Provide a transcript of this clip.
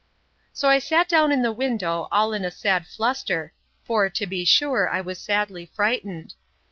So I sat down in the window, all in a sad fluster; for, to be sure, I was sadly frightened.